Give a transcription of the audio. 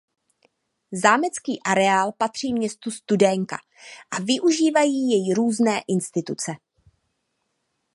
Zámecký areál patří městu Studénka a využívají jej různé instituce.